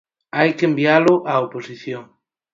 Hai que envialo á oposición.